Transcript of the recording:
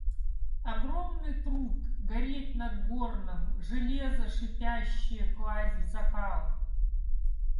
Огромный труд – гореть над горном, железа шипящие класть в закал.